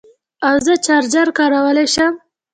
ایا زه چارجر کارولی شم؟